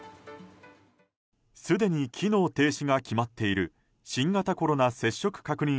すでに機能停止が決まっている新型コロナ接触確認